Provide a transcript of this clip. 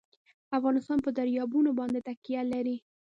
افغانستان په دریابونه باندې تکیه لري.